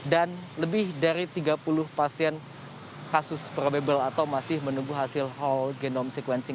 dan lebih dari tiga puluh pasien kasus probable atau masih menunggu hasil whole genome sequencing